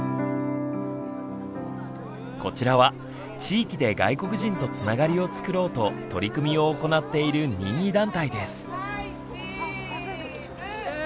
こちらは地域で外国人とつながりをつくろうと取り組みを行っている任意団体です。